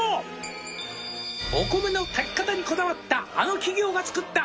「お米の炊き方にこだわったあの企業が作った」